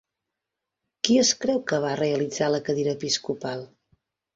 Qui es creu que va realitzar la cadira episcopal?